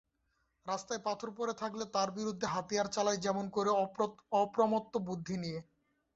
রাস্তায় পাথর পড়ে থাকলে তার বিরুদ্ধে হাতিয়ার চালাই যেমন করে, অপ্রমত্ত বুদ্ধি নিয়ে।